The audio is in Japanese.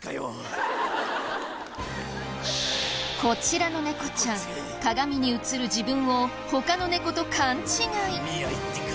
こちらの猫ちゃん鏡に映る自分を他の猫と勘違い。